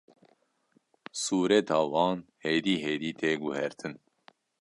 sûreta wan hêdî hêdî tê guhertin